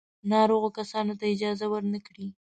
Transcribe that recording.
ناروغو کسانو ته اجازه ور نه کړي.